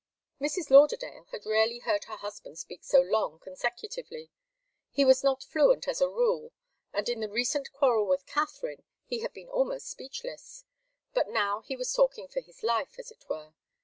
Mrs. Lauderdale had rarely heard her husband speak so long consecutively. He was not fluent, as a rule, and in the recent quarrel with Katharine he had been almost speechless. But now he was talking for his life, as it were.